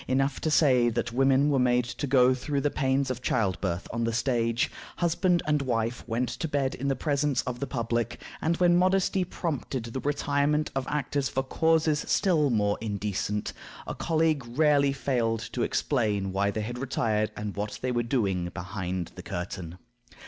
Enough to say that women were made to go through the pains of childbirth on the stage; husband and wife went to bed in presence of the public; and when modesty prompted the retirement of actors for causes still more indecent, a colleague rarely failed to explain why they had retired and what they were doing behind the curtain.